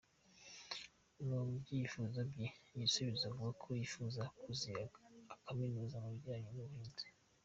Mu byifuzo bye, Igisubizo avuga ko yifuza kuziga akaminuza mu bijyanye n’ubuhinzi.